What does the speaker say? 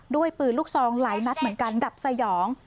ด้วยปืนลูกซองหลายนัดเหมือนกันดับสยอง